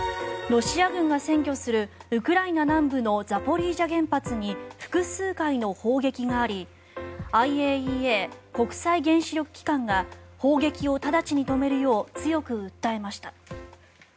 ロシア軍が占拠するウクライナ南部のザポリージャ原発に複数回の砲撃がありＩＡＥＡ・国際原子力機関が砲撃をただちに止めるよう強く訴えました。